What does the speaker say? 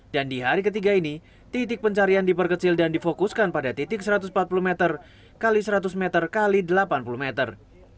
dan di hari ketiga ini titik pencarian diperkecil dan difokuskan pada titik satu ratus empat puluh meter x seratus meter x delapan puluh meter